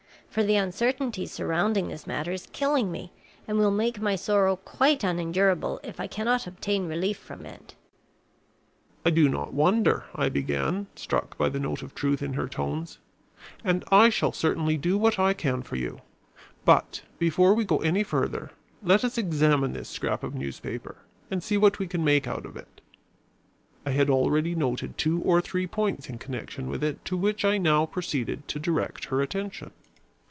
For the uncertainty surrounding this matter is killing me and will make my sorrow quite unendurable if I cannot obtain relief from it." "I do not wonder," I began, struck by the note of truth in her tones. "And I shall certainly do what I can for you. But before we go any further, let us examine this scrap of newspaper and see what we can make out of it." I had already noted two or three points in connection with it, to which I now proceeded to direct her attention.